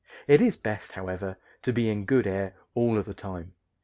It is best, however, to be in good air all of the time.